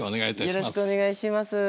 よろしくお願いします。